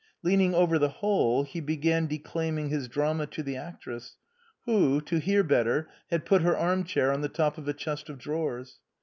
Leaning over the hole, he began declaiming his drama to the actress, who, to hear better, had put her arm chair on the top of a chest of drawers.